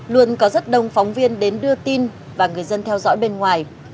luôn có rất đông phóng viên đến đưa tin và người dân theo dõi bên ngoài